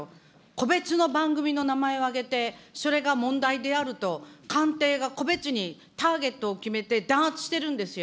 個別の番組の名前を挙げて、それが問題であると官邸が個別にターゲットを決めて、弾圧してるんですよ。